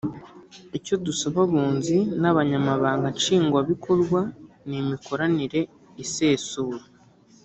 icyo dusaba abunzi n’abanyamabanga nshingwabikorwa ni imikoranire isesuye”